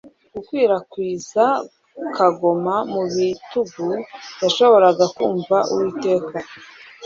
gukwirakwiza-kagoma mu bitugu. yashoboraga kumva uwiteka